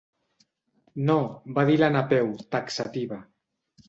No —va dir la Napeu, taxativa.